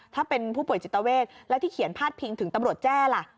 ถ้าเป็นผู้ป่วยจิตเวทแล้วที่เขียนพาดพิงถึงตำรวจแจ้ล่ะ